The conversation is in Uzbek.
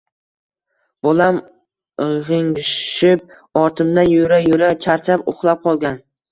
Bolam g`ingshib ortimdan yura-yura charchab, uxlab qolgan